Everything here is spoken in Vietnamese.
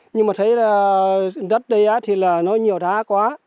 nhưng mà thấy là đất đây thì là nó nhiều đá quá